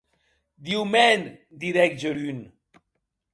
Diu mèn, didec Jorunn.